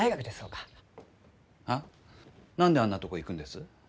あ？何であんなとこ行くんです？